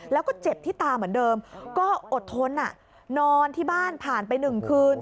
แล้วก็เจ็บที่ตาเหมือนเดิมก็อดทนนอนที่บ้านผ่านไป๑คืน